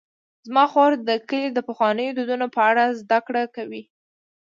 زما خور د کلي د پخوانیو دودونو په اړه زدهکړه کوي.